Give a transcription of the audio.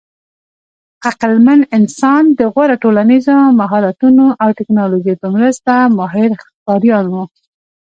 عقلمن انسان د غوره ټولنیزو مهارتونو او ټېکنالوژۍ په مرسته ماهر ښکاریان وو.